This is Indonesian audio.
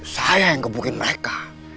saya yang kebukin mereka